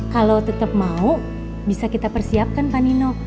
kalau tetap mau bisa kita persiapkan pak nino